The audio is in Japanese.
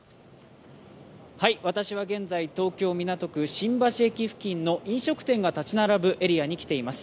私は現在、東京・港区新橋駅付近の飲食店が立ち並ぶエリアに来ています。